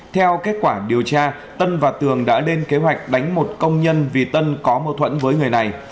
theo kết quả điều tra tân và tường đã lên kế hoạch đánh một công nhân vì tân có mâu thuẫn với người này